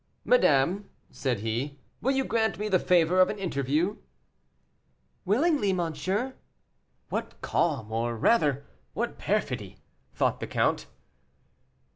"Madame," said he, "will you grant me the favor of an interview?" "Willingly, monsieur." "What calm, or rather what perfidy!" thought the count.